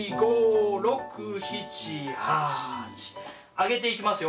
上げていきますよ。